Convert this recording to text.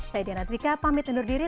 saya diana twika pamit undur diri